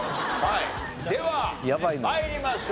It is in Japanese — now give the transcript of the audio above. では参りましょう。